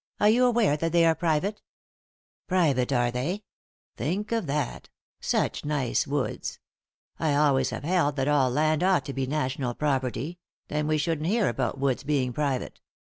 Are you aware that they are private ?"" Private, are they ? Think of that I Such nice woods I I always have held that all land ought to be national property, then we shouldn't hear about woods being private.